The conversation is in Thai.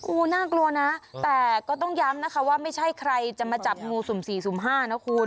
งูน่ากลัวนะแต่ก็ต้องย้ำนะคะว่าไม่ใช่ใครจะมาจับงูสุ่ม๔สุ่ม๕นะคุณ